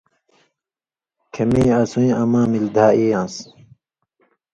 کھیں مِیں اسُویں اما ملی دھا ای یان٘س“